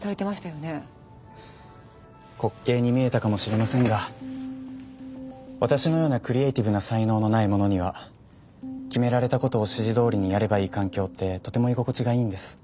滑稽に見えたかもしれませんが私のようなクリエーティブな才能のない者には決められた事を指示どおりにやればいい環境ってとても居心地がいいんです。